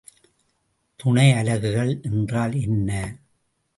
துணையலகுகள் என்றால் என்ன?